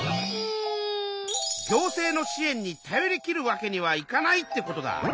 行政の支えんに頼りきるわけにはいかないってことだ。